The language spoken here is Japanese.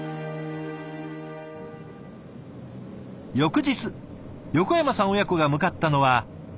翌日横山さん親子が向かったのは。